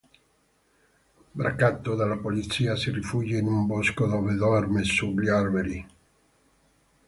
Braccato dalla polizia si rifugia in un bosco dove dorme sugli alberi.